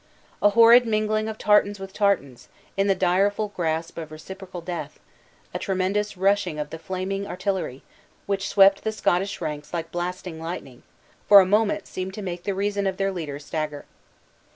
A horrid mingling of tartans with tartans, in the direful grasp of reciprocal death; a tremendous rushing of the flaming artillery, which swept the Scottish ranks like blasting lightning, for a moment seemed to make the reason of their leader stagger.